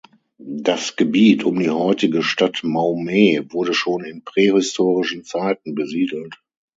Das Gebiet um die heutige Stadt Maumee wurde schon in prähistorischen Zeiten besiedelt.